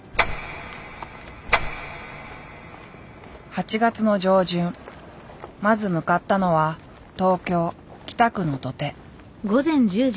８月の上旬まず向かったのは東京・北区の土手。